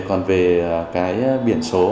còn về cái biển số